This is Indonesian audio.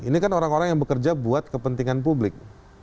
ini kan orang orang yang bekerja buat kepentingan publik